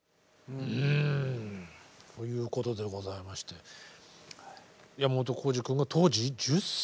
うんということでございまして山本耕史くんが当時１０歳？